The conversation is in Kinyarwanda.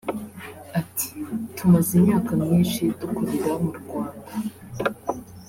Ati “Tumaze imyaka myinshi dukorera mu Rwanda